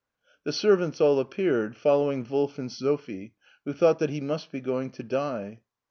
The servants all appeared, following Wolf and Sophie, who thought that he must be going to die.